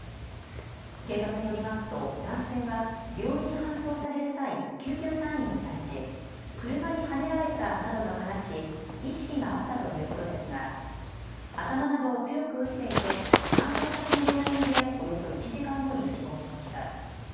警察によりますと男性は病院に搬送される際、救急隊員に対し車にはねられたなどと話し意識があったということですが頭などを強く打っていて搬送先の病院でおよそ１時間後に死亡しました。